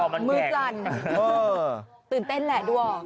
มือซั่นตื่นเต้นแหละดวง